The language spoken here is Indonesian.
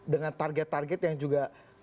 dengan target target yang juga